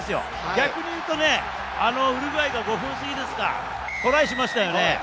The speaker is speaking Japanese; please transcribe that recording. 逆に言うとね、ウルグアイが５分過ぎですか、トライしましたよね。